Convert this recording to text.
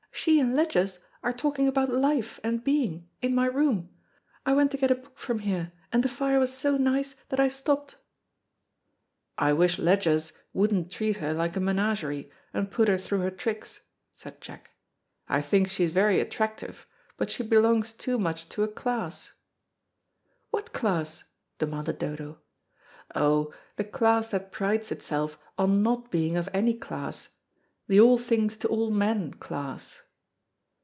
"She and Ledgers are talking about life and being in my room. I went to get a book from here, and the fire was so nice that I stopped." "I wish Ledgers wouldn't treat her like a menagerie, and put her through her tricks," said Jack. "I think she is very attractive, but she belongs too much to a class." "What class?" demanded Dodo. "Oh, the class that prides itself on not being of any class the all things to all men class."